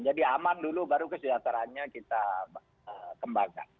jadi aman dulu baru kesejahteraannya kita kembangkan